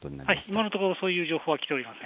今のところ、そういう情報は来ておりません。